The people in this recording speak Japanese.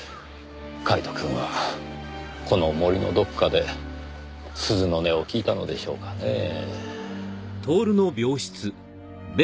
カイトくんはこの森のどこかで鈴の音を聞いたのでしょうかねぇ。